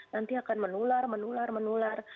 nanti akan menular menular menular